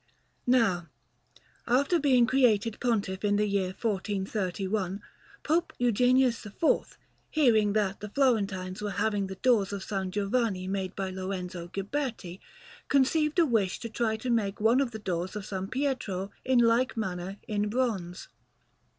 Now, after being created Pontiff in the year 1431, Pope Eugenius IV, hearing that the Florentines were having the doors of S. Giovanni made by Lorenzo Ghiberti, conceived a wish to try to make one of the doors of S. Pietro in like manner in bronze.